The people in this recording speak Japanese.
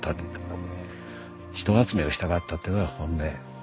人集めをしたかったっていうのが本音。